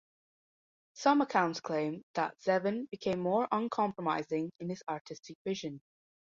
Some accounts claim that Zevon became more uncompromising in his artistic vision.